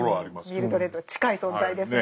ミルドレッド近い存在ですね。